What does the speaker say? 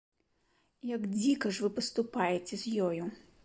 Як дзіка ж вы паступаеце з ёю.